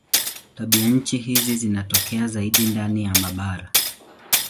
Tabianchi hizi zinatokea zaidi ndani ya mabara.